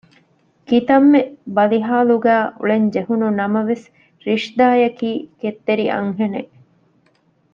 ކިތައްމެ ބަލިހާލުގައި އުޅެންޖެހުނު ނަމަވެސް ރިޝްދާއަކީ ކެތްތެރި އަންހެނެއް